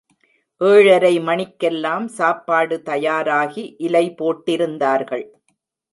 ஏழரை மணிக்கெல்லாம் சாப்பாடு தயாராகி இலை போட்டிருந்தார்கள்.